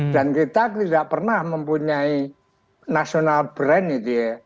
kita tidak pernah mempunyai national brand gitu ya